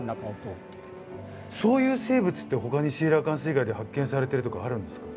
そういう生物ってほかにシーラカンス以外で発見されてるとかあるんですか？